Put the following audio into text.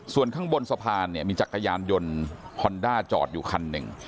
ส่วนข้างบนสะพานเนี่ยมีจักรยานยนต์ฮอนด้าจอดอยู่คันหนึ่ง